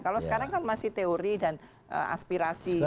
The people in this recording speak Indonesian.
kalau sekarang kan masih teori dan aspirasi